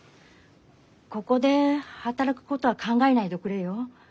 ここで働くことは考えないでおくれよ。